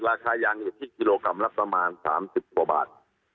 ราคายางอยู่ที่กิโลกรัมละประมาณ๓๐กว่าบาท